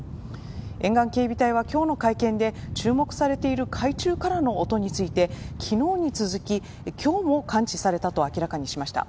沿岸警備隊は今日の会見で注目されている海中からの音について昨日に続き、今日も感知されたと明らかにしました。